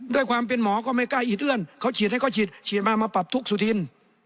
ด้วยความเป็นหมอก็ไม่กล้าอีดเอื้อนเขาฉีดให้เขาฉีดฉีดมามาปรับทุกข์สุธิน